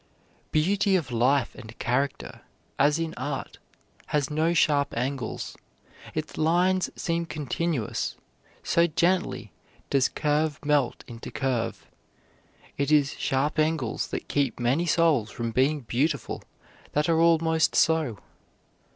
Beauty of life and character, as in art, has no sharp angles. Its lines seem continuous, so gently does curve melt into curve. It is sharp angles that keep many souls from being beautiful that are almost so.